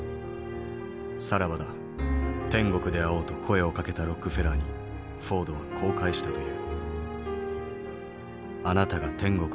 「さらばだ天国で会おう」と声をかけたロックフェラーにフォードはこう返したという。